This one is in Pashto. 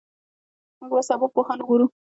موږ به سبا پوهان وګورو.